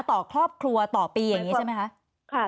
ต่อครอบครัวต่อปีอย่างนี้ใช่ไหมคะ